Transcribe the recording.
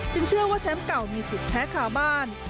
เชื่อว่าแชมป์เก่ามีสิทธิ์แพ้คาบ้าน